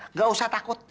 nggak usah takut